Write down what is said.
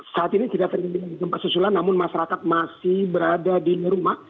saat ini tidak terjadi gempa susulan namun masyarakat masih berada di rumah